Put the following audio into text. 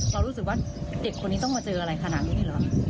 เรารู้สึกว่าเด็กคนนี้ต้องมาเจออะไรขนาดนี้เลยเหรอ